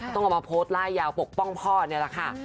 ต้องมาโพสไล่ยาวปกป้องพ่อเนี่ยแหละค่ะ